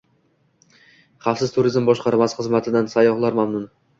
Xavfsiz turizm boshqarmasi xizmatidan sayyohlar mamnun